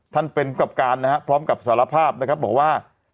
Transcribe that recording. ท่านเป็นผู้กรรมการนะฮะพร้อมกับสารภาพนะครับบอกว่า